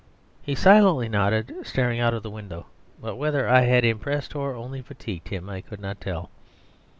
He silently nodded, staring out of the window, but whether I had impressed or only fatigued him I could not tell.